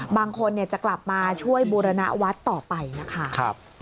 บางคนจะกลับมาช่วยบูรณวัดต่อไปนะคะ